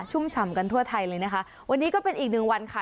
ุ่มฉ่ำกันทั่วไทยเลยนะคะวันนี้ก็เป็นอีกหนึ่งวันค่ะ